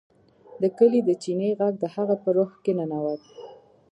د کلي د چینې غږ د هغه په روح کې ننوت